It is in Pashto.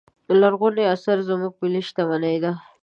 لرغوني اثار زموږ ملي شتمنې ده.